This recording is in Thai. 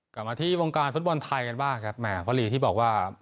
กลับมาที่วงการฟุตบอลไทยกันบ้างครับแหมพ่อลีที่บอกว่า